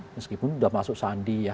meskipun sudah masuk sandi ya